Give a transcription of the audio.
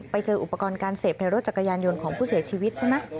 ไปเจออุปกรณ์การเสพในรถจักรยานยนต์ของผู้เสียชีวิตใช่ไหม